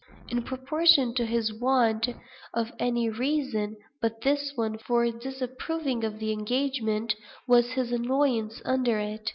In proportion to his want of any reason but this one, for disapproving of the engagement, was his annoyance under it.